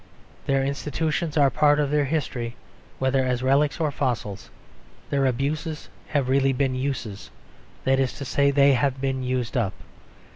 Their institutions are part of their history, whether as relics or fossils. Their abuses have really been uses: that is to say, they have been used up.